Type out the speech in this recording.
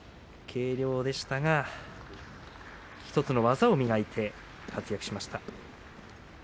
軽量でしたが１つの技を磨いて活躍しました。